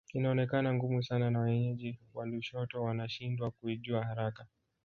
Inaonekana ngumu sana na wenyeji wa Lushoto wanashindwa kuijua haraka